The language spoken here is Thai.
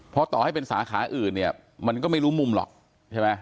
เพราะต่อให้เป็นสาขาอื่นเนี่ยมันก็ไม่รู้มุมหรอกใช่ไหม